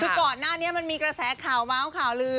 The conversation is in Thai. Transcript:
ทุกกรหน้านี้มันมีกระแสขาวเม้าขาวลือ